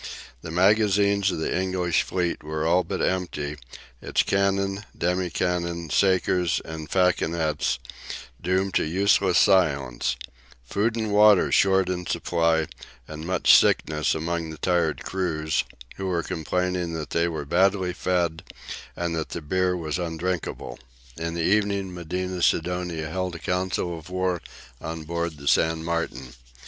The magazines of the English fleet were all but empty, its "cannon, demi cannon, sakers, and falconets" doomed to useless silence, food and water short in supply, and much sickness among the tired crews, who were complaining that they were badly fed and that the beer was undrinkable. In the evening Medina Sidonia held a council of war on board the "San Martin."